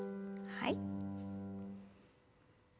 はい。